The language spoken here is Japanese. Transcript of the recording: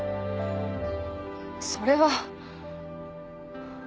それは。